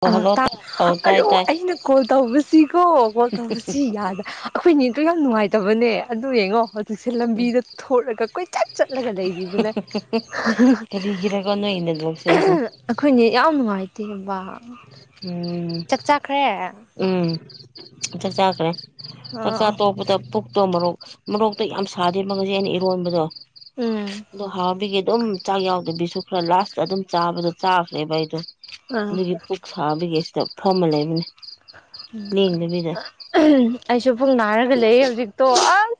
ꯍ ꯍꯜꯂꯣ ꯑꯧ ꯇꯥꯏ ꯑꯜꯂꯣ ꯇꯥꯏ ꯑꯩꯅ ꯀꯣꯜ ꯇꯧꯕꯁꯤꯀꯣ ꯀꯣꯜ ꯇꯧꯕꯁꯤ ꯌꯥꯗ ꯑꯩꯈꯣꯏꯅꯦꯗꯣ ꯌꯥꯝ ꯅꯨꯡꯉꯥꯏꯇꯕꯅꯦ ꯑꯗꯨ ꯌꯦꯡꯉꯣ ꯍꯧꯖꯤꯛꯁꯦ ꯂꯝꯕꯤꯗ ꯊꯣꯂꯒ ꯀꯣꯏꯆꯠ ꯆꯠꯂꯒ ꯂꯩꯔꯤꯕꯅꯦ ꯀꯣ [unintelligible] ꯑꯩꯈꯣꯏꯅꯦ ꯌꯥꯝ ꯅꯨꯡꯉꯥꯏꯇꯦꯕ ꯎꯝ ꯆꯥꯛ ꯆꯥꯈ꯭ꯔꯦ ꯎꯝꯥꯛ ꯆꯥꯈ꯭ꯔꯦ ꯆꯥꯛꯆꯥ ꯑꯥ ꯇꯣꯛꯄꯗ ꯄꯨꯛꯇꯣ ꯃꯔꯣꯛ ꯃꯔꯣꯛꯇ ꯌꯥꯝ ꯁꯥꯗꯦ ꯃ ꯉꯁꯦ ꯑꯩꯅ ꯏꯔꯣꯟꯕꯗꯣ ꯎꯝ ꯑꯗꯣ ꯍꯥꯎꯕꯤꯒꯤ ꯑꯗꯨꯝ ꯆꯥꯛ ꯌꯥꯎꯗꯕꯤꯁꯨ ꯈꯔ ꯂꯥꯁꯇ ꯑꯗꯨꯝ ꯆꯥꯕꯗ ꯆꯥꯈ꯭ꯔꯦꯕ ꯑꯩꯗꯣ ꯑꯥ ꯑꯗꯨꯒꯤ ꯑꯗꯨꯒꯤꯁꯤꯗ ꯐꯣꯔꯝ ꯑꯃ ꯂꯩꯕꯅꯦ ꯂꯦꯡꯗꯕꯤꯗ ꯎꯝ ꯑꯩꯁꯨ ꯐꯨꯡ ꯅꯥꯔꯒ ꯂꯩ ꯍꯧꯖꯤꯛꯇꯣ ꯑꯁ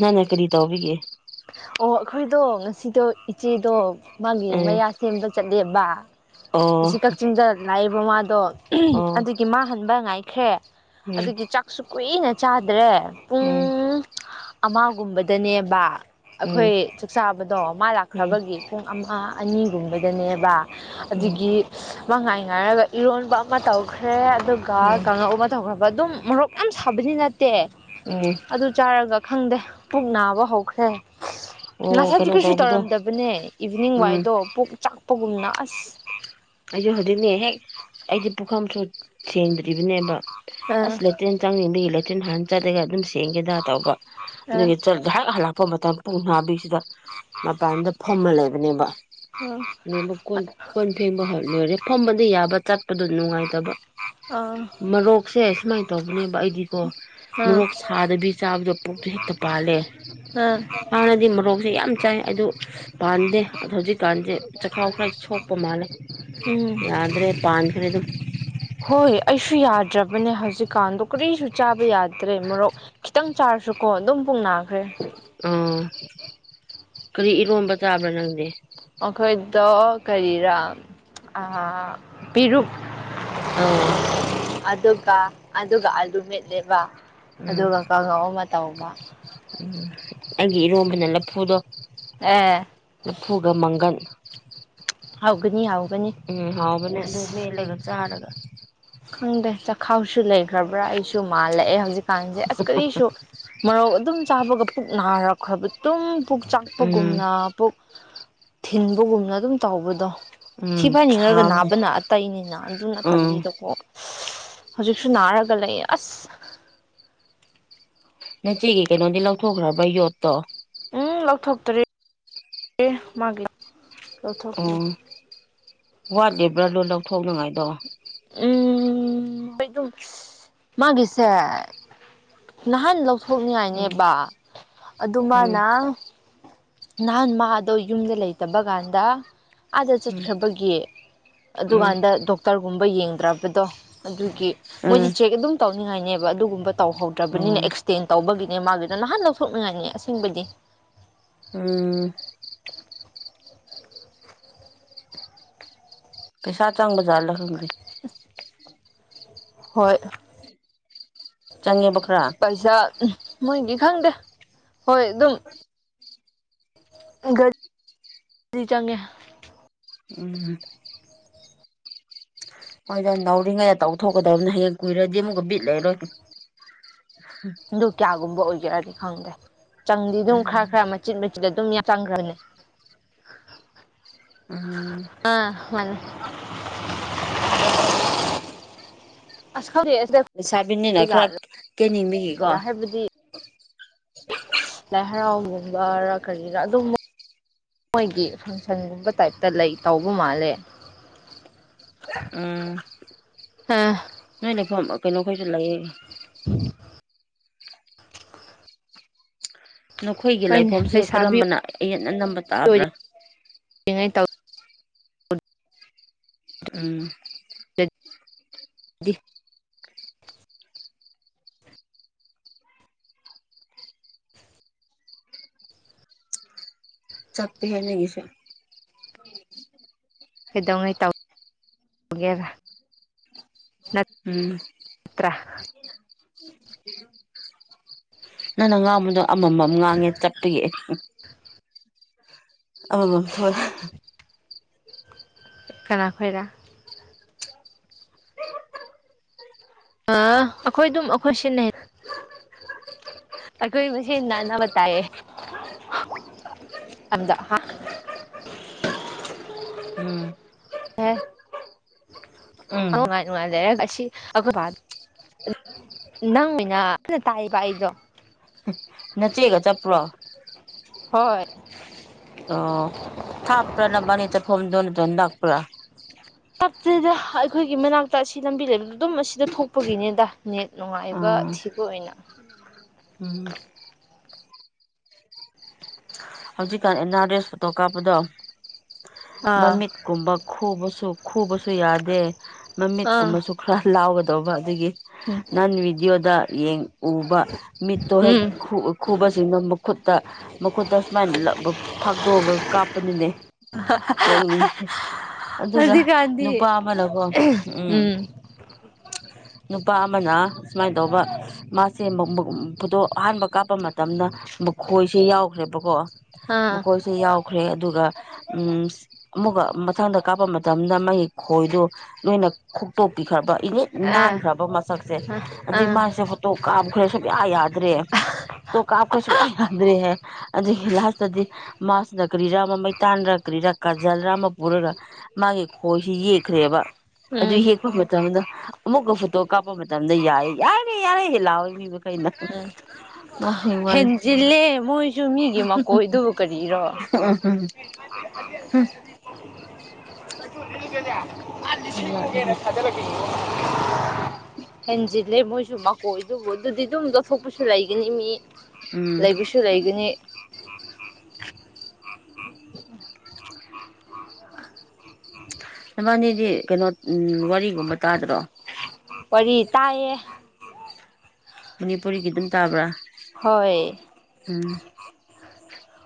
ꯅ ꯅ ꯀꯔꯤ ꯇꯧꯕꯤꯒꯦ ꯑꯣ ꯑꯩꯈꯣꯏꯗꯣ ꯉꯁꯤꯗꯣ ꯏꯆꯦꯗꯣ ꯃꯥꯒꯤ ꯎꯝ ꯃꯌꯥ ꯁꯦꯝꯕ ꯆꯠꯂꯦꯕ ꯑꯣ ꯑꯁꯤ ꯀꯛꯆꯤꯡꯗ ꯂꯥꯛꯏꯕ ꯃꯥꯗꯣ ꯑꯣ ꯑꯗꯨꯒꯤ ꯃꯥꯍꯟꯕ ꯉꯥꯏꯈ꯭ꯔꯦ ꯎꯝ ꯑꯗꯨꯒꯤ ꯆꯥꯛꯁꯨ ꯀꯨꯏꯅ ꯆꯥꯗ꯭ꯔꯦ ꯎꯝ ꯄꯨꯡ ꯑꯃꯒꯨꯝꯕꯗꯅꯦꯕ ꯎꯝ ꯑꯩꯈꯣꯏ ꯆꯥꯛꯆꯥꯥꯕꯗꯣ ꯑꯃ ꯎꯝ ꯂꯥꯛꯈ꯭ꯔꯕꯒꯤ ꯄꯨꯡ ꯑꯃ ꯑꯅꯤꯒꯨꯝꯕꯗꯅꯦꯕ ꯎꯝ ꯑꯗꯒꯤ ꯃ ꯉꯥꯏ ꯉꯥꯏꯔꯕ ꯏꯔꯣꯟꯕ ꯑꯃ ꯇꯧꯈ꯭ꯔꯦ ꯑꯗꯨꯒ ꯎꯝ ꯀꯥꯡꯂꯨꯞ ꯑꯃ ꯇꯧꯈ꯭ꯔꯕ ꯑꯗꯨꯝ ꯃꯣꯔꯣꯛ ꯌꯥꯝ ꯁꯥꯕꯗꯤ ꯅꯠꯇꯦ ꯎꯝ ꯑꯗꯨ ꯆꯥꯔꯒ ꯈꯪꯗꯦ ꯄꯨꯛ ꯅꯥꯕ ꯍꯧꯈ꯭ꯔꯦ ꯑꯣ ꯉꯁꯥꯏꯗꯤ ꯀꯩꯅꯣ ꯀꯩꯁꯨ ꯇꯧꯕꯗꯣ ꯇꯧꯔꯝꯗꯕꯅꯦ ꯏꯚꯤꯅꯤꯡ ꯎꯝ ꯋꯥꯏꯗꯣ ꯄꯨꯣꯛꯥꯛ ꯎ ꯄꯣꯒꯨꯝꯅ ꯑꯁ ꯑꯩꯁꯨ ꯍꯧꯖꯤꯛꯅꯦ ꯍꯦꯛ ꯑꯩꯗꯤ ꯄꯨꯈꯝꯁꯨ ꯁꯦꯡꯗ ꯕꯅꯦꯕ ꯑꯁ ꯑꯥ ꯂꯦꯇ꯭ꯔꯔꯤꯦꯟ ꯆꯪꯅꯤꯡꯕꯒꯤ ꯂꯦꯇ꯭ꯔꯔꯤꯦꯟ ꯍꯥꯟꯅ ꯆꯠꯂꯒ ꯑꯗꯨꯝ ꯊꯦꯡꯒꯦꯗ ꯇꯧꯕ ꯑꯗꯨꯒꯤ ꯉꯥꯏꯍꯥꯛ ꯍꯜꯂꯛꯄ ꯃꯇꯝ ꯄꯨꯡ ꯅꯥꯕꯤꯁꯤꯗ ꯃꯄꯥꯟꯗ ꯐꯝꯃ ꯂꯩꯕꯅꯦꯕ [inaudible] ꯣꯏ ꯍꯣꯏ ꯂꯣꯏꯔꯦ ꯐꯝꯕꯗ ꯌꯥꯕ ꯆꯠꯄꯗꯣ ꯅꯨꯡꯉꯥꯏꯇꯕ ꯃꯔꯣꯛꯁꯦ ꯁꯨꯃꯥꯏꯅ ꯇꯧꯕꯅꯦꯕ ꯑꯩꯗꯤꯀꯣ ꯃꯣꯔꯣꯛ ꯁꯥꯗꯕꯤ ꯆꯥꯕꯗꯣ ꯄꯣꯛꯇꯨ ꯍꯦꯛꯇ ꯄꯥꯜꯂꯦ ꯍꯥꯟꯅꯗꯤ ꯃꯣꯔꯣꯛꯁꯦ ꯌꯥꯝ ꯆꯥꯏ ꯑꯗꯨ ꯄꯥꯟꯗꯦ ꯑꯣ ꯍꯧꯖꯤꯛꯀꯥꯟꯁꯦ ꯆꯈꯥꯎ ꯈꯔ ꯁꯣꯛꯄ ꯃꯥꯜꯂꯦ ꯎꯝ ꯌꯥꯗ꯭ꯔꯦ ꯄꯥꯟꯈꯔ ꯑꯗꯨꯝ ꯍꯣꯏ ꯑꯩꯁꯨ ꯌꯥꯗ꯭ꯔꯕꯅꯦ ꯍꯧꯖꯤꯛꯀꯥꯟꯗꯣ ꯀꯔꯤꯁꯨ ꯆꯥꯕ ꯌꯥꯗ꯭ꯔꯦ ꯃꯣꯔꯣꯛ ꯈꯤꯇꯪ ꯆꯥꯔꯁꯨꯀꯣ ꯑꯗꯨꯝ ꯄꯨꯡꯅ ꯑ ꯀꯔꯤ ꯏꯔꯣꯟꯝꯕ ꯆꯥꯕ꯭ꯔꯥ ꯅꯪꯗꯤ ꯑꯩꯈꯣꯏꯗ ꯀꯔꯤꯔꯥ ꯄꯤꯔꯨꯛ ꯑ ꯑꯗꯨꯒ ꯑꯗꯨꯒ ꯑꯂꯨ ꯃꯦꯠꯂꯦꯕ ꯎꯝ ꯑꯗꯨꯒ ꯀꯥꯡꯉꯧ ꯑꯃ ꯇꯧꯕ ꯎꯝ ꯑꯩꯒꯤ ꯏꯔꯣꯝꯕꯅ ꯂꯐꯨꯗꯣ ꯑꯦ ꯄꯨꯨꯒ ꯃꯪꯒꯟ ꯍꯧꯒꯅꯤ ꯍꯧꯒꯅꯤ ꯎꯝ ꯍꯥꯎ ꯃꯅꯦ ꯑꯗꯨ ꯃ ꯑꯁ ꯂꯩꯒ ꯆꯔꯒ ꯈꯪꯗꯦ ꯆ ꯈꯥꯎꯁꯨ ꯂꯩ ꯈꯕ꯭ꯔꯥ ꯑꯩꯁꯨ ꯃꯥꯜꯂꯛꯑꯦ ꯍꯧꯖꯤꯛꯀꯥꯟꯁꯦ ꯑꯁ ꯀꯔꯤꯁꯨ ꯃꯔꯧ ꯑꯗꯨꯝ ꯆꯥꯕꯒ ꯄꯨꯛ ꯅꯥꯔꯛꯄ ꯈꯔꯕꯨ ꯑꯗꯨꯝ ꯄꯨꯛ ꯎꯝ ꯆꯥꯛꯄꯒꯨꯝꯅ ꯄꯨꯛ ꯊꯤꯟꯕꯒꯨꯝꯅ ꯑꯗꯨꯝ ꯇꯕꯗꯣ ꯎꯝ ꯊꯤꯕꯥꯏꯅꯤꯡꯉꯔꯒ ꯍꯥꯎꯕꯅꯦ ꯅꯥꯕꯅ ꯑꯇꯩꯅꯤꯅ ꯑꯗꯨꯅ ꯎꯝ ꯇꯝꯕꯤꯗꯀꯣ ꯍꯧꯖꯤꯛꯁꯨ ꯅꯥꯔꯒ ꯂꯩ ꯑꯁ ꯅꯆꯦꯒꯤ ꯀꯩꯅꯣꯗꯤ ꯂꯧꯊꯣꯛꯈ꯭ꯔꯕ ꯌꯣꯠꯇꯣ ꯂꯧꯊꯣꯛꯇ꯭ꯔꯔꯤ ꯃꯥꯒꯤ ꯂꯧꯊꯣꯛꯇ꯭꯭ꯔꯔꯤ ꯎꯝ ꯋꯥꯠꯂꯤꯕ꯭ꯔꯥ ꯂꯣꯏ ꯂꯧꯊꯣꯛꯅꯉꯥꯏꯗꯣ ꯎꯝ ꯃꯥꯒꯤꯁꯦ ꯅꯍꯥꯟ ꯂꯧ ꯎꯝ ꯁꯣꯛꯅꯤꯉꯥꯏꯅꯦꯕ ꯎꯝ ꯑꯗꯨꯃꯅ ꯅꯍꯥꯟ ꯃꯥ ꯑꯗꯣ ꯌꯨꯝꯗ ꯂꯩꯇꯕ ꯀꯥꯟꯗ ꯑꯥꯗ ꯎꯝ ꯆꯠꯈ꯭ꯔꯕꯒꯤ ꯎꯝ ꯑꯗꯨꯀꯥꯟꯗ ꯗꯣꯛꯇꯔꯒꯨꯝꯕ ꯌꯦꯡꯗ꯭ꯔꯕꯗꯣ ꯑꯗꯨ ꯎꯝ ꯃꯣꯏꯗꯤ ꯆꯦꯛ ꯑꯗꯨꯝ ꯇꯧꯅꯤꯡꯉꯥꯏꯅꯦꯕ ꯑꯗꯨꯒꯨꯝꯕ ꯇꯧꯍꯧꯗ꯭ꯔꯕꯅꯤꯅ ꯎꯝ ꯑꯦꯛꯁꯇꯦꯟ ꯇꯧꯕꯒꯤ ꯅꯦ ꯃꯥꯒꯤꯗ ꯅꯍꯥꯟ ꯂꯧꯊꯣꯛꯅꯤꯡꯉꯥꯏꯅꯤ ꯑꯁꯦꯡꯕꯗꯤ ꯎꯝ ꯄꯩꯁꯥ ꯆꯪꯕꯖꯠ ꯂꯥ ꯈꯪꯗꯦ ꯍꯣꯏ ꯆꯪꯦ ꯄꯨꯥ [inaudible] ꯄꯩꯁꯥ ꯃꯣꯏꯅꯤ ꯈꯪꯗꯦ ꯍꯣꯏ ꯑꯗꯨꯝ ꯗꯤ ꯆꯪꯒꯦ ꯎꯝ ꯍꯣꯏꯖ ꯅꯧꯎꯔꯤꯉꯩꯗ ꯇꯧꯊꯣꯛꯀꯗꯕꯅꯤꯅ ꯍꯌꯦꯡ ꯀꯨꯏꯔꯗꯤ ꯑꯃꯨꯛꯀ ꯕꯤꯠ ꯂꯩꯔꯣꯏ ꯑꯗꯨ ꯀꯌꯥꯒꯨꯝꯕ ꯑꯣꯏꯒꯔꯅꯤ ꯈꯪꯗ꯭ꯔꯦ ꯆꯪꯗꯤ ꯑꯗꯨꯝ ꯎꯝ ꯈꯔ ꯈꯔ ꯃꯆꯤꯟ ꯃꯆꯤꯟ ꯑꯗꯨꯝ ꯌꯥ ꯆꯥꯡꯒꯔꯅꯦ ꯑ ꯃꯥ ꯁꯥꯕꯤꯅꯤꯅ ꯈꯔ ꯖꯥꯠꯂ ꯀꯅꯤꯃꯤ ꯍꯥꯏꯕꯗꯤ ꯂꯥꯏ ꯍꯔꯥꯎꯒꯨꯝꯕꯔ ꯀꯔꯤꯔꯥ ꯑꯗꯨꯝ ꯃꯣꯏꯒꯤ ꯐꯪꯁꯟꯒꯨꯝꯕ ꯇꯥꯏꯞꯇ ꯂꯩ ꯇꯧꯕ ꯃꯥꯜꯂꯦ ꯎꯝ ꯍꯥꯥ ꯅꯣꯏꯅꯦ ꯐ ꯀꯩꯅꯣꯈꯩꯁꯨ ꯂꯩꯌꯦ ꯅꯈꯣꯏꯒꯤ ꯍꯣꯏꯅꯦ ꯂꯥꯏꯐꯝꯁꯦ ꯂꯩꯁꯥꯕꯤ ꯀꯔꯝꯕꯅ ꯑꯌꯦꯠ ꯑ ꯅꯝꯕ ꯇꯥꯕ꯭ꯔꯥ [unintelligible] ꯇꯧ ꯎꯝ ꯗꯤ ꯆꯞꯄꯤꯤ ꯍꯥꯏ ꯌꯦꯉꯁ ꯀꯩꯗꯧꯉꯩ ꯇꯒꯦꯔꯥ ꯎꯝ ꯅꯪꯅ ꯉꯥꯡꯕꯗꯣ ꯑꯃꯃꯝ ꯉꯥꯡꯉꯦ ꯆꯠꯄꯒꯤ ꯑ ꯊꯣꯛ ꯀꯅꯥ ꯈꯣꯏꯥ ꯑ ꯑꯩꯈꯣꯏ ꯑꯗꯨꯝ ꯑꯩꯈꯣꯏ ꯁꯤꯟꯅꯩ ꯑꯩꯈꯣꯏ ꯃꯁꯤꯁꯅꯥꯅꯥꯕ ꯇꯥꯏꯌꯦ ꯑꯗ ꯍꯥ ꯎꯝ ꯑꯦ ꯎꯝ ꯑꯉꯥꯏꯅꯨꯡꯉꯥꯏꯖꯦꯁꯤ ꯑꯈꯣꯏ ꯅꯪꯃꯤꯅꯩꯅ ꯇꯥꯏꯕ ꯑꯩꯗꯣ ꯅꯆꯦꯒ ꯆꯠꯄ꯭ꯔꯣ ꯍꯣꯏ ꯑꯣ ꯊꯥꯞꯄ꯭ꯔꯥ ꯅꯕꯅꯤ ꯆ ꯐꯣꯝꯗꯅꯗꯅ ꯂꯥꯛꯄ꯭ꯔꯥ ꯞꯇꯗ ꯑꯩꯈꯣꯏꯒꯤ ꯃꯅꯥꯛꯇ ꯑꯁꯤ ꯂꯝꯕꯤ ꯂꯩꯕꯗ ꯑꯗꯨꯝ ꯑꯁꯤꯗ ꯊꯣꯛꯄꯒꯤꯅꯦꯗ ꯅꯦꯠ ꯅꯨꯡꯉꯥꯏꯕ ꯑꯣ ꯊꯤꯄꯅ ꯎꯝ ꯍꯧꯖꯤꯛꯀꯥꯟ ꯑꯦꯟ ꯑꯥꯔꯁ ꯐꯣꯇꯣ ꯀꯥꯞꯄꯗꯣ ꯑꯥ ꯃꯃꯤꯠꯀꯨꯝꯕ ꯈꯨꯕꯁꯨ ꯈꯨꯕꯁꯨ ꯌꯥꯗꯦ ꯑꯥ ꯃꯃꯤꯠꯀꯨꯝꯕꯁꯨ ꯈꯔ ꯂꯥꯎꯒꯗꯧꯕ ꯑꯗꯨꯗꯒꯤ ꯎꯝ ꯅꯥꯟ ꯏꯗꯌꯣꯗ ꯌꯦ ꯎꯕ ꯃꯤꯠꯇꯣ ꯍꯦꯛ ꯎꯝ ꯈꯨꯕꯕꯁꯤꯅ ꯃꯈꯨꯠꯇ ꯃꯈꯨꯠꯇ ꯁꯨꯃꯥꯏꯅ ꯂ ꯐꯥꯗꯣꯛꯑꯒ ꯀꯥꯞꯄꯅꯤꯅꯦ ꯅꯣꯛꯅꯤꯡꯉꯤ [inaudible] ꯑꯗꯨꯒ ꯍꯧꯖꯤꯛꯀꯥꯟꯗꯤ ꯅꯨꯄꯥ ꯑꯃꯅꯀꯣ ꯎꯝ ꯅꯨꯄꯥ ꯑꯃꯅ ꯁꯨꯃꯥꯏꯅ ꯇꯧꯕ ꯃꯥꯁꯦ ꯐꯨꯇꯣ ꯑꯍꯥꯟꯕ ꯀꯥꯞꯄ ꯃꯇꯝꯗ ꯃꯈꯣꯏꯁꯦ ꯌꯥꯎꯈ꯭ꯔꯦꯕꯀꯣ ꯑꯥ ꯃꯈꯣꯏꯁꯦ ꯌꯥꯎꯈ ꯈ꯭ꯔꯦ ꯑꯗꯨꯒ ꯎ ꯑꯃꯨꯀ ꯃꯊꯪꯗ ꯀꯥꯞꯄ ꯃꯇꯝꯗ ꯃꯒꯤ ꯈꯣꯏꯗꯨ ꯅꯣꯏꯅ ꯈꯨꯛꯇꯣꯛꯄꯤꯈ꯭ꯔꯕ ꯏꯅꯤꯠ ꯑꯥ ꯅꯥꯟꯈ꯭ꯔꯕ ꯃꯁꯛꯁꯦ ꯑꯥ ꯑꯗꯨꯏ ꯑꯥ ꯃꯥꯁꯦ ꯐꯣꯇꯣ ꯀꯥꯞꯈ꯭ꯔꯦ ꯁꯨꯡꯌꯥ ꯌꯥ ꯦ ꯇꯣ ꯀꯥꯞ ꯀꯁꯨ ꯌꯥꯗꯦ ꯗꯤ ꯃꯥꯁꯤꯗ ꯀꯔꯤꯔꯥ ꯑꯃ ꯃꯩꯇꯥꯟꯔꯥ ꯀꯔꯤꯔꯥ ꯀꯥꯖꯜꯔ ꯑꯃ ꯄꯨꯔꯒ ꯃꯥꯒꯤ ꯈꯣꯏꯁꯤ ꯌꯦꯛꯈ꯭ꯔꯦꯕ ꯑꯗꯨ ꯎꯝ ꯌꯦꯛꯄ ꯃꯇꯝꯗ ꯑꯃꯨꯛꯀ ꯐꯣꯇꯣ ꯀꯥꯞꯄ ꯃꯇꯝ ꯃꯇꯝꯗ ꯌꯥꯏꯦ ꯌꯥꯔꯦ ꯌꯥꯔꯦꯍ ꯂꯥꯛꯑꯣꯏ ꯃꯤꯕꯨ ꯀ ꯎꯝ ꯃ ꯋꯥ ꯍꯦꯟꯖꯤꯜꯂꯦ ꯃꯣꯏꯁꯨ ꯃꯤꯒꯤ ꯃꯀꯣꯏꯗꯨꯕꯨ ꯀꯔꯤꯔꯣ ꯎꯝ ꯗꯅꯦ ꯃꯥ ꯂꯤꯁꯤꯡꯃꯨꯛꯒꯦꯅ ꯌꯥꯗꯦꯅꯦ ꯊꯥꯖꯤꯜꯂꯛꯀꯦ ꯍꯦꯟꯖꯤꯜꯂꯦ ꯃꯣꯏꯁꯨ ꯃꯀꯣꯏ ꯑꯗꯨꯕꯨ ꯑꯗꯨꯗꯤ ꯑꯗꯨꯝ ꯂꯧꯠꯊꯣꯛꯄꯁꯨ ꯂꯩꯒꯅꯤ ꯃꯤ ꯎꯝ ꯂꯩꯕꯁꯨ ꯂꯩꯒꯅꯤ [inaudible] ꯃꯕꯥꯅꯤꯗꯤ ꯀꯩꯅꯣ ꯋꯥꯔꯤꯒꯨꯝꯕ ꯇꯥꯗ꯭ꯔꯣ ꯋꯥꯔꯤ ꯇꯥꯏꯌꯦ ꯃꯅꯤꯄꯨꯔꯤꯒꯤ ꯑꯗꯨꯝ ꯇꯥꯕ꯭ꯔꯥ ꯍꯣꯏ ꯎꯝ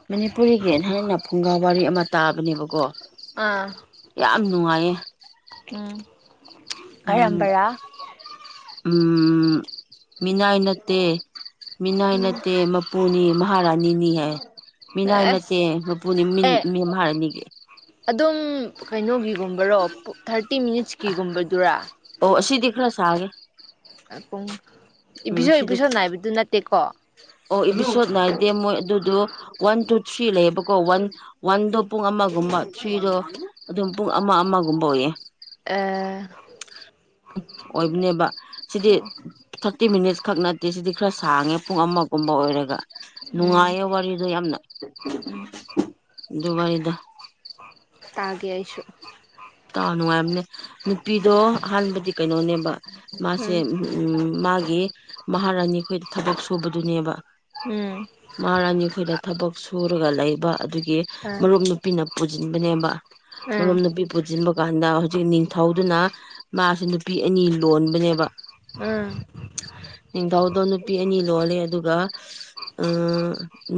ꯃꯅꯤꯄꯨꯔꯤꯒꯤ ꯅꯍꯥꯟꯅ ꯐꯨꯡꯒꯥ ꯋꯥꯔꯤ ꯑꯃ ꯇꯥꯕꯅꯦꯕꯀꯣ ꯑꯥ ꯌꯥꯝ ꯅꯨꯡꯉꯥꯏꯌꯦ ꯎꯝ ꯑꯔꯝꯕꯔꯥ ꯃꯤꯅꯥꯏ ꯅꯠꯇꯦ ꯃꯤꯅꯥꯏ ꯎꯝ ꯅꯠꯇꯦ ꯃꯄꯨꯅꯤ ꯃꯍꯥꯔꯥꯅꯤꯅꯤ ꯍꯥꯏ ꯃꯤꯅꯥ ꯑꯁ ꯅꯠꯇꯦ ꯃꯄꯨꯅꯤ ꯑꯦ ꯃꯤ ꯃꯍꯥꯔꯥꯅꯤꯒꯤ ꯑꯗꯨꯝ ꯀꯩꯅꯣꯒꯤꯒꯨꯝꯕꯔꯣ ꯊꯥꯔꯇꯤ ꯃꯤꯅꯤꯠꯁꯀꯤꯒꯨꯝꯕꯗꯨꯔꯥ ꯗꯤꯈꯂ ꯁꯥꯒ ꯎ ꯏꯄꯤꯁꯣ ꯏꯄꯤꯁꯣ ꯅꯥꯏꯕꯗꯨ ꯅꯠꯇꯦꯀꯣ ꯑꯣ ꯏꯄꯤꯁꯣꯠ ꯅꯥꯗꯦ ꯃꯣꯏ ꯑꯗꯨꯗꯣ ꯋꯥꯟ ꯇꯨ ꯊ꯭ꯔꯤ ꯂꯩꯌꯦꯕꯀꯣ ꯋꯥꯟ ꯋꯥꯟꯗꯣ ꯄꯨꯡ ꯑꯃꯒꯨꯝꯕ ꯊ꯭ꯔꯤꯔꯣ ꯑꯗꯨꯝ ꯄꯨꯡ ꯑꯃ ꯑꯃꯒꯨꯝꯕ ꯑꯣꯏꯌꯦ ꯑ ꯑꯣꯏꯕꯅꯦꯕ ꯁꯤꯗꯤ ꯊꯥꯔꯇꯤ ꯃꯤꯅꯤꯠꯁ ꯈꯛꯅ ꯑꯦꯁꯤꯗꯤ ꯈꯔ ꯁꯥꯡꯉꯦ ꯄꯨꯡ ꯑꯃꯒꯨꯝꯕ ꯑꯣꯏꯔꯒ ꯅꯨꯡꯉꯥꯏꯌꯦ ꯋꯥꯔꯤꯗꯣ ꯌꯥꯝꯅ ꯑꯗꯨꯋꯥꯏꯗ ꯇꯥꯒꯦꯁꯨ ꯇꯥ ꯅꯨꯡꯉꯥꯏꯝꯅꯦ ꯅꯨꯄꯤꯗꯣ ꯑꯍꯥꯟꯕꯗꯤ ꯀꯩꯅꯣꯅꯦꯕ ꯃꯥꯁꯦ ꯎꯝ ꯃꯥꯒꯤ ꯃꯍꯥꯔꯥꯅꯤ ꯑꯩꯈꯣꯏꯗ ꯊꯕꯛ ꯁꯨꯕꯗꯨꯅꯦꯕ ꯎꯝ ꯃꯍꯥꯔꯥꯅꯤ ꯑꯩꯈꯣꯏꯗ ꯊꯕꯛ ꯁꯨꯔꯒ ꯂꯩꯕ ꯑꯗꯨꯒꯤ ꯑꯥ ꯃꯔꯨꯞ ꯅꯨꯄꯤꯅ ꯄꯨꯁꯤꯟꯕꯅꯦꯕ ꯃꯔꯝ ꯎꯝ ꯅꯨꯄꯤ ꯄꯨꯟꯁꯤꯟꯕ ꯀꯥꯟꯗ ꯍꯧꯖꯤꯛ ꯅꯤꯡꯊꯧꯗꯨꯅ ꯃꯥꯁꯤ ꯅꯨꯄꯤ ꯑꯅꯤ ꯂꯣꯟꯕꯅꯦꯕ ꯎꯝ ꯅꯤꯡꯊꯧꯗꯣ ꯅꯨꯄꯤ ꯑꯅꯤ ꯂꯣꯜꯂꯦ ꯑꯗꯨꯒ ꯑꯣ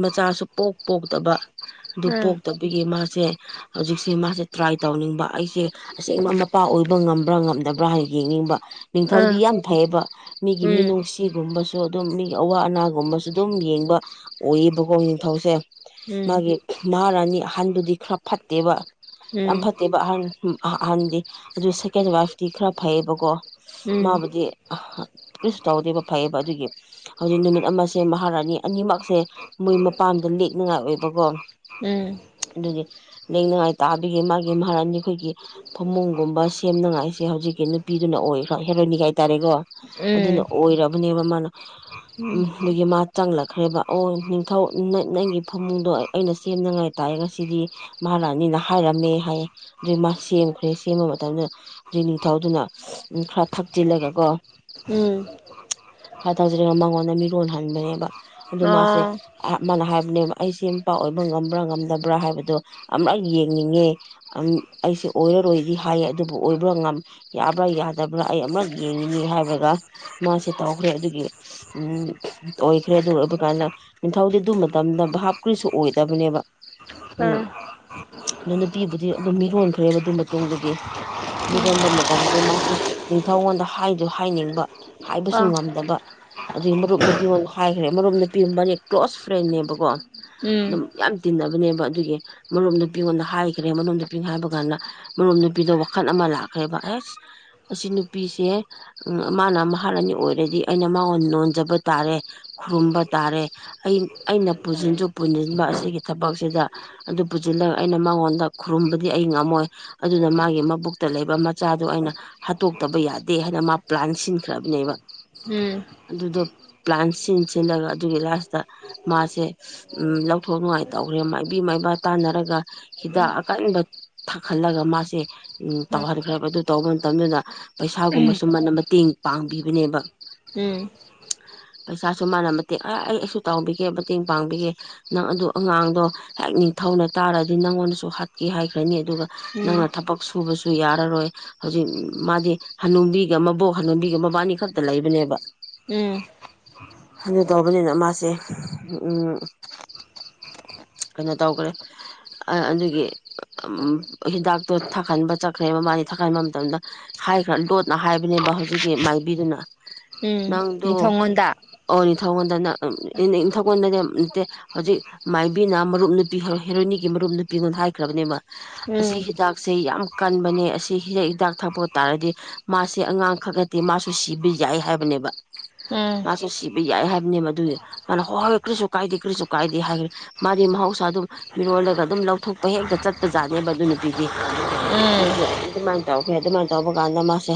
ꯃꯆꯥꯁꯨ ꯄꯣꯛ ꯄꯣꯛꯇꯕ ꯑꯗꯨ ꯎꯝ ꯄꯣꯛꯇꯕꯒꯤ ꯃꯥꯁꯦ ꯍꯧꯖꯤꯛ ꯃꯥꯁꯦ ꯇ꯭ꯔꯥꯏ ꯇꯧꯅꯤꯡꯕ ꯑꯩꯁꯦ ꯑꯁꯦꯡꯕ ꯃꯄꯥ ꯑꯣꯏꯕ ꯉ꯭ꯔ ꯅꯕ꯭ꯔꯥ ꯍꯥꯏꯅ ꯌꯦꯡꯅꯤꯡꯕ ꯅꯤꯡꯊꯧꯗꯤ ꯎꯝ ꯌꯥꯝ ꯐꯩꯌꯦꯕ ꯃꯤꯒꯤ ꯃꯤꯅꯨꯡꯁꯤꯒꯨꯝꯕ ꯁꯨ ꯑꯗꯨꯝ ꯃꯤ ꯑꯋꯥ ꯑꯅꯥꯒꯨꯝꯕꯁꯨ ꯑꯗꯨꯝ ꯌꯦꯡꯕ ꯑꯣꯏꯌꯦꯕꯀꯣ ꯅꯤꯡꯊꯧꯁꯦ ꯎꯝ ꯎꯝ ꯃꯥꯒꯤ ꯃꯥꯥꯍꯥꯔꯥꯅꯤ ꯑꯍꯟꯗꯨꯗꯤ ꯈꯔ ꯐꯠꯇꯦꯕ ꯎꯝ ꯍꯟ ꯑꯥꯍ ꯑꯍꯥꯟꯗꯤ ꯑꯗꯨ ꯁꯦꯀꯦꯟ ꯋꯥꯏꯐꯇꯤ ꯈꯔ ꯐꯩꯌꯦꯕꯀꯣ ꯃꯥꯕꯨꯗꯤ ꯑꯍ ꯀꯔꯤꯁꯨ ꯇꯧꯗꯦꯕ ꯐꯩꯌꯦꯕ ꯑꯗꯨꯒꯤ ꯍꯧꯖꯤꯛ ꯅꯨꯃꯤꯠ ꯑꯃꯁꯦ ꯃꯍꯥꯔꯥꯅꯤ ꯑꯅꯤꯃꯛꯁꯦ ꯃꯣꯏ ꯃꯄꯥꯝꯗ ꯂꯦꯛꯅꯉꯥꯏ ꯑꯣꯏꯕꯀꯣ ꯎꯝ ꯂꯦꯛꯅꯉꯥꯏ ꯇꯥꯕꯤꯒꯤ ꯃꯥꯒꯤ ꯃꯥ ꯐꯔꯅꯤ ꯑꯩꯈꯣꯏꯒꯤ ꯐꯃꯨꯡꯒꯨꯝꯕ ꯁꯦꯝꯅꯉꯥꯏꯁꯦ ꯍꯧꯖꯤꯛꯀꯤ ꯅꯨꯄꯤꯗꯨꯅ ꯑꯣꯏꯈ꯭ꯔꯥ ꯍꯦꯔꯣꯏꯅꯤꯅ ꯍꯥꯏꯇꯥꯔꯦꯀꯣ ꯑꯗꯨꯅ ꯎꯝ ꯑꯣꯏꯔꯕꯅꯦꯕ ꯃꯥꯅ ꯎꯝ ꯑꯗꯨꯒꯤ ꯃꯥ ꯆꯪꯂꯛꯈ꯭ꯔꯦꯕ ꯑꯣ ꯅꯤꯡꯊꯧ ꯅ ꯅꯪꯒꯤ ꯐꯃꯨꯡꯗꯣ ꯑꯩꯅ ꯁꯦꯝꯅꯉꯥꯏ ꯇꯥꯥ ꯔꯦ ꯉꯁꯤꯗꯤ ꯃꯍꯥꯔꯥꯅꯤꯅ ꯍꯥꯏꯔꯝꯃꯦ ꯍꯥꯏꯌꯦ ꯑꯗꯨꯏ ꯃꯥ ꯁꯦꯝꯈ꯭ꯔꯦ ꯁꯦꯝꯕ ꯃꯇꯝꯗ ꯑꯗꯨꯗꯒꯤ ꯅꯤꯡꯊꯧꯗꯨꯅ ꯈꯔ ꯊꯛꯆꯤꯜꯂꯒ ꯀꯣ ꯎꯝ ꯈꯔ ꯇꯧꯖꯔꯤꯒ ꯃꯉꯣꯟꯗ ꯃꯤꯔꯣꯜꯍꯟꯕꯅꯦꯕ ꯑ ꯑꯗꯨ ꯃꯥꯁꯦ ꯑ ꯃꯥꯅ ꯍꯥꯏꯕꯅꯦꯕ ꯑꯩꯁꯦ ꯃꯄꯥ ꯑꯣꯏꯕ ꯉꯝꯕ꯭ꯔꯥ ꯉꯝꯗꯕ꯭ꯔꯥ ꯍꯥꯏꯕꯗꯣ ꯑꯃꯔꯛ ꯌꯦꯡꯅꯤꯡꯉꯦ ꯑꯝ ꯑꯩꯁꯦ ꯑꯣꯏꯔꯔꯣꯏꯗꯤ ꯍꯥꯏꯌꯦ ꯑꯗꯨꯕꯨ ꯑꯣꯏꯕ꯭ꯔꯥ ꯌꯥꯕ꯭ꯔꯥ ꯌꯥꯗꯕ꯭ꯔꯥ ꯑꯩ ꯑꯃꯔꯛ ꯌꯦꯡꯉꯤꯅꯤ ꯍꯥꯏꯔꯒ ꯃꯥꯁꯦ ꯇꯧꯈ꯭ꯔꯦ ꯑꯗꯨꯒꯤ ꯑꯝ ꯑꯣꯏꯈ꯭ꯔꯦ ꯑꯗꯨꯒ ꯑꯗꯨ ꯀꯥꯟꯗ ꯅꯤꯡꯊꯧ ꯊꯧꯗꯤ ꯑꯗꯨ ꯃꯇꯝꯗ ꯚꯥꯞꯀꯔꯤꯁꯨ ꯑꯣꯏꯗꯕꯅꯦꯕ ꯎꯝ ꯑꯗꯨ ꯅꯨꯄꯤꯕꯨꯗꯤ ꯑꯗꯨꯝ ꯃꯤꯔꯣꯟꯈ꯭ꯔꯦ ꯃꯗꯨ ꯃꯇꯨꯡꯗꯗꯤ ꯃꯤꯔꯣꯟꯕ ꯃꯇꯝꯗ ꯃꯥꯁꯦ ꯅꯤꯡꯊꯧꯉꯣꯟꯗ ꯍꯥꯏꯗꯨ ꯍꯥꯏꯅꯤꯡꯕ ꯍꯥꯏꯕꯁꯨ ꯎꯝ ꯉꯝꯗꯕ ꯑꯗꯩ ꯃꯔꯨꯞ ꯅꯨꯄꯤꯌꯣꯟ ꯍꯥꯏꯈ꯭ꯔꯦ ꯃꯔꯨꯞ ꯅꯨꯄꯤ ꯃꯔꯦꯛꯇꯣ ꯀ꯭ꯂꯣꯁ ꯐ꯭ꯔꯦꯟꯅꯦꯕꯀꯣ ꯎꯝ ꯑꯗꯨꯝ ꯌꯥꯝ ꯇꯤꯟ ꯅꯕꯅꯦꯕ ꯑꯗꯨꯒꯤ ꯃꯔꯨꯞ ꯅꯨꯄꯤ ꯉꯣꯟꯗ ꯍꯥꯏꯈ꯭ꯔꯦ ꯃꯔꯨꯞ ꯄꯤꯡ ꯍꯥꯏꯕ ꯀꯥꯟꯗ ꯃꯔꯨꯞ ꯅꯨꯄꯤꯗ ꯋꯥꯈꯜ ꯑꯃ ꯂꯥꯛꯈ꯭ꯔꯦꯕ ꯑꯦꯁ ꯑꯁꯤ ꯅꯨꯄꯤꯁꯦ ꯃꯥꯅ ꯃꯍꯥꯔꯥꯅꯤ ꯑꯣꯏꯔꯗꯤ ꯑꯩꯅ ꯃꯥꯉꯣꯟ ꯅꯣꯟꯖꯕ ꯇꯥꯔꯦ ꯈꯨꯔꯨꯝꯕ ꯇꯥꯔꯦ ꯑꯩ ꯑꯩꯅ ꯄꯨꯁꯤꯟꯁꯨ ꯄꯨꯟꯁꯤꯟꯕ ꯑꯁꯤꯒꯤ ꯊꯕꯛꯁꯤꯗ ꯑꯗꯨ ꯄꯨꯖꯤꯜꯂꯒ ꯑꯩꯅ ꯃꯉꯣꯟꯗ ꯈꯨ ꯈꯨꯔꯨꯝꯕꯗꯤ ꯑꯩ ꯉꯝꯃꯣꯏ ꯑꯗꯨꯅ ꯃꯥꯒꯤ ꯃꯕꯨꯛꯇ ꯂꯩꯕ ꯃꯆꯥꯗꯣ ꯑꯩꯅ ꯍꯥꯠꯇꯣꯛꯇꯕ ꯌꯥꯗꯦ ꯍꯥꯏꯅ ꯃꯥ ꯄ꯭ꯂꯥꯟ ꯁꯤꯟꯈ꯭ꯔꯕꯅꯦꯕ ꯑꯗꯨꯗꯣ ꯄ꯭ꯂꯥꯟ ꯁꯤꯟ ꯁꯤꯟꯂꯒ ꯑꯗꯨꯒꯤ ꯂꯥꯁꯇ ꯃꯥꯁꯦ ꯎꯝ ꯂꯧꯊꯣꯛ ꯅꯨꯡꯉꯥꯏ ꯇꯧꯈ꯭ꯔꯦ ꯃꯥꯏꯕꯤ ꯃꯩꯃ ꯇꯥꯅꯔꯒ ꯍꯤꯗꯥꯛ ꯀꯟꯕ ꯊꯥꯛꯍꯜꯂꯒ ꯃꯥꯁꯤ ꯑꯝ ꯇꯧꯍꯟꯈ꯭ꯔꯦꯕ ꯑꯗꯨ ꯇꯧꯕ ꯃꯇꯝꯗꯨꯗ ꯄꯩꯁꯥꯒꯨꯝꯕꯁꯨ ꯃꯥꯅ ꯃꯇꯦꯡ ꯄꯥꯡꯕꯤꯕꯅꯦꯕ ꯎꯝ ꯄꯩꯁꯥꯁꯨ ꯃꯥꯅ ꯃꯇꯦꯛ ꯑ ꯑꯩ ꯑꯩꯁꯨ ꯇꯥꯎꯕꯤꯒꯦ ꯃꯇꯦꯡ ꯄꯥꯡꯕꯤꯒꯦ ꯅꯪ ꯑꯗꯨ ꯑꯉꯥꯡꯗꯣ ꯍꯥꯛ ꯅꯤꯡꯊꯧꯅ ꯇꯥꯔꯗꯤ ꯅꯪꯉꯣꯟꯗꯁꯨ ꯍꯥꯠꯀꯦ ꯍꯥꯏꯈ꯭ꯔꯅꯤ ꯑꯗꯨꯒ ꯅꯪꯅ ꯎꯝ ꯊꯕꯛ ꯁꯨꯕꯁꯨ ꯁꯨ ꯌꯥꯔꯔꯣꯏ ꯍꯧꯖꯤꯛ ꯃꯥꯗꯤ ꯍꯅꯨꯕꯤꯒ ꯃꯕꯣꯛ ꯍꯅꯨꯕꯤꯒ ꯃꯕꯥꯅꯤ ꯈꯛꯇ ꯂꯩꯕꯅꯦꯕ ꯎꯝ ꯍꯅꯨ ꯇꯧꯕꯅꯤꯅ ꯃꯥꯁꯦ ꯎꯝ ꯀꯩꯅꯣ ꯇꯧꯈ꯭ꯔꯦ ꯑ ꯑꯗꯨꯒꯤ ꯎꯝ ꯍꯤꯗꯥꯛꯇꯣ ꯊꯛꯍꯟꯕ ꯆꯠꯈ꯭ꯔꯦꯕ ꯃꯥꯅꯤ ꯊꯛꯍꯟꯕ ꯃꯇꯝꯗ ꯍꯥꯏꯈ꯭ꯔ ꯂꯣꯠꯅ ꯍꯥꯏꯕ ꯅꯦꯕ ꯍꯧꯖꯤꯛꯀꯤ ꯃꯥꯏꯕꯤꯗꯨꯅ ꯎꯝ ꯅꯪꯗꯨ ꯅꯤꯡꯊꯧꯉꯣꯟꯗ ꯑꯣ ꯅꯤꯡ ꯊꯉꯣꯟꯗ ꯏꯟ ꯏꯟꯊꯧꯀꯣꯟꯗꯅꯦ ꯅꯠꯇꯦ ꯍꯧꯖꯤꯛ ꯃꯥꯏꯕꯤꯅ ꯃꯔꯨꯞ ꯅꯨꯄꯤ ꯍꯣ ꯍꯦꯔꯣꯏꯅꯤꯒꯤ ꯃꯔꯨꯞ ꯍꯥꯏ ꯅꯨꯄꯤꯒꯣꯟꯗ ꯍꯥꯏ ꯈ꯭ꯔꯕꯅꯦꯕ ꯎꯝ ꯁꯦ ꯌꯥꯝ ꯀꯟꯕꯅꯦ ꯑꯁꯤ ꯍꯤꯗꯥ ꯍꯤꯗꯥꯛ ꯊꯛꯄ ꯇꯥꯔꯗꯤ ꯃꯥꯁꯦ ꯑꯉꯥꯡꯈꯛ ꯅꯠꯇꯦ ꯃꯥꯁꯨ ꯁꯤꯕ ꯌꯥꯏ ꯌꯥꯏ ꯍꯥꯏꯕꯅꯦꯕ ꯎꯝ ꯃꯥꯁꯨ ꯁꯤꯕ ꯌꯥꯏ ꯍꯥꯏꯕꯅꯦ ꯑꯗꯨꯗꯤ ꯃꯥꯅ ꯍꯣꯏ ꯍꯣꯏ ꯀꯔꯤꯁꯨ ꯀꯥꯏꯗꯦ ꯀꯔꯤꯁꯨ ꯀꯥꯏꯗꯦ ꯍꯥꯏꯈ꯭ꯔꯦ ꯃꯥꯗꯤ ꯃꯍ ꯃꯍꯧꯁꯥ ꯑꯗꯨꯝ ꯃꯤꯔꯣꯜꯂꯒ ꯑꯗꯨꯝ ꯂꯧꯊꯣꯛꯄ ꯍꯦꯛꯇ ꯆꯠꯄꯖꯥꯠꯅꯦꯕ ꯑꯗꯨ ꯅꯨꯄꯤꯗꯤ ꯎꯝ ꯑꯗꯨꯗꯒꯤ ꯑꯗꯨꯃꯥꯏꯅ ꯇꯧꯈ꯭ꯔꯦ ꯑꯗꯨꯃꯥꯏꯅ ꯇꯧꯕ ꯀꯥꯟꯗ ꯃꯥꯁꯦ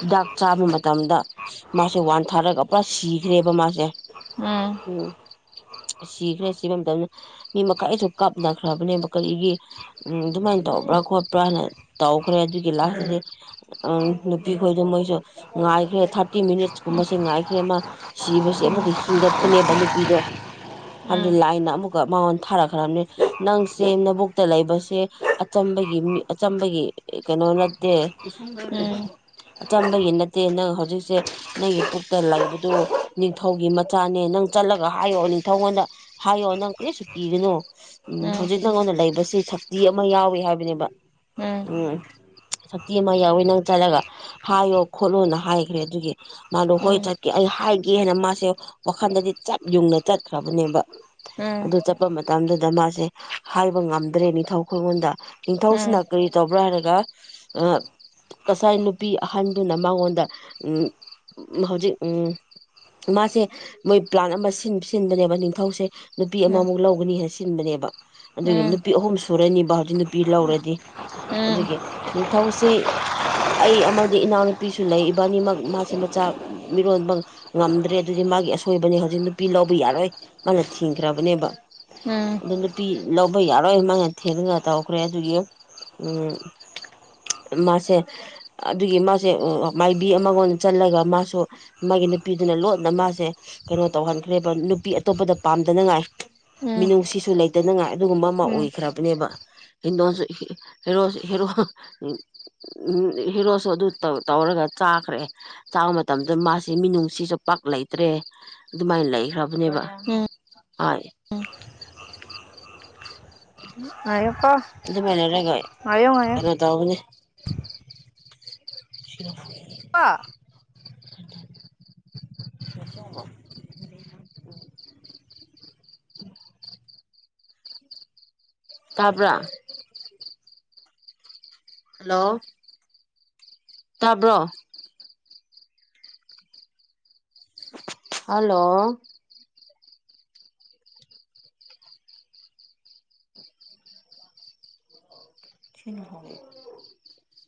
ꯍꯤꯗꯥꯛ ꯆꯥꯕ ꯃꯇꯝꯗ ꯃꯥꯁꯦ ꯋꯥꯟ ꯊꯥꯔꯒ ꯄ ꯁꯤꯈ꯭ꯔꯦꯕ ꯃꯥꯁꯦ ꯎꯝ ꯁꯤꯈ꯭ꯔꯦ ꯁꯤꯕꯩ ꯃꯇꯝꯗ ꯃꯤ ꯃꯈꯥꯏꯁꯨ ꯀꯥꯞꯅꯈ꯭ꯔꯕꯅꯦꯕ ꯀꯔꯤꯒꯤ ꯑꯝ ꯑꯗꯨꯃꯥꯏꯅ ꯇꯧꯕ꯭ꯔꯥ ꯈꯣꯠꯄ꯭ꯔꯥ ꯍꯥꯏꯅ ꯇꯧꯈ꯭ꯔꯦ ꯑꯗꯨꯒꯤ ꯂꯥꯁꯇꯗꯤ ꯅꯨꯄꯤꯈꯣꯏꯗ ꯃꯣꯏꯁꯨ ꯉꯥꯏꯈ꯭ꯔꯦ ꯊꯥꯔꯇꯤ ꯃꯤꯅꯤꯠꯁ ꯀꯨꯝꯕꯕꯁꯤꯦ ꯉꯥꯏꯈ꯭ꯔꯦ ꯑꯃ ꯁꯤꯕꯁꯤ ꯑꯃꯨꯛꯀ ꯍꯤꯡꯒꯠꯄꯅꯦꯕ ꯅꯨꯄꯤꯗꯣ ꯍꯥꯏꯕꯗꯤ ꯂꯥꯏꯅ ꯑꯃꯨꯛꯀ ꯃꯉꯣꯟ ꯊꯥꯔꯛꯈ꯭ꯔꯕꯅꯤ ꯅꯪ ꯆꯦ ꯅꯕꯨꯛꯇ ꯂꯩꯕꯁꯦ ꯑꯆꯝꯕꯒꯤ ꯃꯤ ꯑꯆꯝꯕꯒꯤ ꯀꯩꯅꯣ ꯅꯠꯇꯦ ꯣ [unintelligible] [inaudible] ꯑꯆꯝꯕꯒꯤ ꯅꯠꯇꯦ ꯅꯪ ꯍꯧꯖꯤꯛꯁꯦ ꯅꯪꯒꯤ ꯄꯨꯛꯇ ꯂꯩꯕꯗꯨ ꯅꯤꯡꯊꯧꯒꯤ ꯃꯆꯥꯅꯦ ꯅꯪ ꯅ ꯆꯠꯂꯒ ꯍꯥꯏꯌꯣꯑꯣ ꯅꯤꯡꯊꯧꯉꯣꯟꯗ ꯍꯥꯏꯌꯣꯑꯣ ꯅꯪ ꯀꯔꯤꯁꯨ ꯀꯤꯕꯅꯣ ꯍꯧꯖꯤꯛ ꯅꯪꯉꯣꯟꯗ ꯂꯩꯕꯁꯤ ꯁꯛꯇꯤ ꯑꯃ ꯌꯥꯎꯋ ꯍꯥꯏꯕꯅꯦꯕ ꯎꯝ ꯁꯛꯇꯤ ꯑꯃ ꯌꯥꯎꯋꯦ ꯅꯪ ꯆꯠꯂꯒ ꯍꯥꯏꯌꯣ ꯈꯣꯠꯂꯣꯅ ꯍꯥꯏꯈ꯭ꯔꯦ ꯑꯗꯨꯒꯤ ꯃꯥꯗꯣ ꯍꯣꯏ ꯆꯠꯀꯦ ꯑꯩ ꯍꯥꯏꯒꯦꯅ ꯃꯥꯁꯦ ꯋꯥꯈꯟꯗꯗꯤ ꯆꯞ ꯌꯨꯡꯅ ꯆꯠꯈ꯭ꯔꯕꯅꯦꯕ ꯑꯗꯨ ꯆꯠꯄ ꯃꯇꯝꯗꯨꯗ ꯃꯥꯁꯦ ꯍꯥꯏꯕ ꯉꯝꯗ꯭ꯔꯦ ꯅꯤꯡꯊꯧ ꯈꯒꯣꯟꯗ ꯅꯤꯡꯊꯧꯁꯤꯅ ꯉꯥꯏꯌꯣꯀꯣ ꯀꯔꯤ ꯇꯧꯕ꯭ꯔꯥ ꯍꯥꯏꯔꯒ ꯉꯁꯥꯏ ꯅꯨꯄꯤ ꯑꯍꯟꯗꯨꯅ ꯃꯉꯣꯟꯗ ꯎ ꯍꯧꯖꯤꯛ ꯎ ꯃꯥꯁꯦ ꯃꯣꯏ ꯄ꯭ꯂꯥꯟ ꯑꯃ ꯁꯤ ꯁꯤꯟꯕꯅꯦꯕ ꯅꯤꯡꯊꯧꯁꯦ ꯅꯨꯄꯤ ꯑꯃꯃꯨꯛ ꯂꯧꯒꯅꯤ ꯍꯥꯏꯅ ꯁꯤꯤꯟꯕꯅꯦꯕ ꯑꯗꯨꯒꯤ ꯅꯨꯄꯤ ꯑꯍꯨꯝꯁꯨ ꯁꯨꯔꯅꯤꯕ ꯍꯧꯖꯤꯛ ꯅꯨꯄꯤ ꯂꯧꯔꯗꯤ ꯑꯗꯨꯒꯤ ꯅꯤꯡꯊꯧꯁꯤꯦ [unintelligible] [inaudible] ꯑꯩ ꯑꯃꯗꯤ ꯏꯅꯥꯎꯅꯨꯄꯤꯁꯨ ꯂꯩ ꯏꯕꯥꯅꯤꯃꯛ ꯃꯥꯁꯦ ꯃꯆꯥ ꯃꯤꯔꯣꯟꯕ ꯉꯝꯗ꯭ꯔꯦ ꯑꯗꯨꯗꯤ ꯃꯥꯒꯤ ꯑꯁꯣꯏꯕꯅꯦ ꯍꯧꯖꯤꯛ ꯅꯨꯄꯤ ꯂꯧꯕ ꯌꯥꯔꯣꯏ ꯃꯥꯅ ꯊꯤꯡꯈ꯭ꯔꯕꯅꯦꯕ ꯎꯝ ꯄꯤ ꯂꯧꯕ ꯌꯥꯔꯣꯏ ꯃꯥꯅ ꯊꯦꯝꯒ ꯇꯧꯈ꯭ꯔꯦ ꯑꯗꯨꯒꯤ ꯃꯥꯁꯦ ꯑꯗꯨꯒꯤ ꯃꯥꯁꯦ ꯃꯥꯏꯕꯤ ꯑꯃꯒꯣꯟ ꯆꯜꯂꯒ ꯃꯥꯁꯨ ꯃꯥꯒꯤ ꯅꯨꯄꯤꯗꯨꯅ ꯂꯣꯟꯅ ꯃꯥꯁꯦ ꯀꯩꯅꯣ ꯇꯧꯍꯟꯈ꯭ꯔꯦꯕ ꯅꯨꯄꯤ ꯑꯇꯣꯞꯄꯗ ꯄꯥꯝꯗꯅꯉꯥꯏ ꯃꯤꯅꯨꯡꯁꯤꯁꯨ ꯂꯩꯇꯅꯉꯥꯏ ꯑꯗꯨꯒꯨꯝꯕ ꯑꯃ ꯑꯣꯏꯈ꯭ꯔꯕꯅꯦꯕ ꯍꯤꯟꯗꯣꯟꯁꯨꯣ ꯍꯦꯔꯣꯁꯨ ꯑꯗꯨ ꯇꯧꯔ ꯔꯒ ꯆꯥꯈ꯭ꯔꯦ ꯆꯥꯕ ꯃꯇꯝꯗ ꯃꯥꯁꯤ ꯃꯤꯅꯨꯡꯁꯤꯁꯨ ꯄꯥꯛ ꯂꯩꯇ꯭ꯔꯦ ꯑꯗꯨꯃꯥꯏꯅ ꯂꯩꯈ꯭ꯔꯕ ꯅꯦꯕ ꯍ [inaudible] [inaudible] ꯃ [inaudible] [unintelligible] ꯑꯗꯨꯃꯥꯏꯅꯔꯒ ꯀꯩꯅꯣ ꯇꯧꯒꯅꯤ ꯁꯤꯔ ꯋꯥ ꯆ ꯎ ꯇꯕ ꯍꯜꯂꯣ ꯇꯥꯕ꯭ꯔꯣ ꯍꯂꯣ ꯆꯤꯟ ꯍꯦ